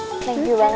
orang itu resminya